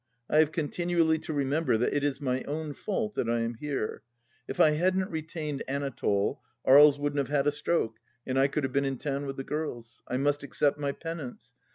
... I have continually to remember that it is my own fault that I am here. If I hadn't retained Anatole, Aries wouldn't have had a stroke and I could have been in town with the girls. I must accept my penance.